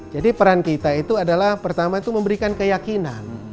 jadi peran kita itu adalah pertama itu memberikan keyakinan